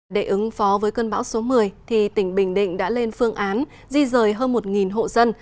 để ứng phó với cơn bão số một mươi tỉnh bình định đã lên phương án di rời hơn một hộ dân